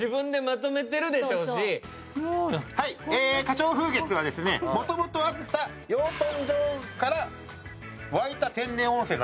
花鳥風月はもともとあった養豚場から湧いた天然温泉なんですね。